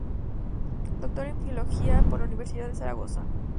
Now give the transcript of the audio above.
Doctor en Filología por la Universidad de Zaragoza.